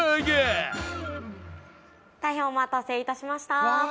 大変お待たせ致しました。